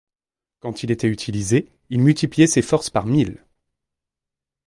Quand il était utilisé, il multipliait ses forces par mille.